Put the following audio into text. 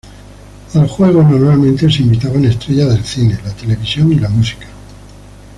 Al juego normalmente se invitaban estrellas del cine, la televisión y la música.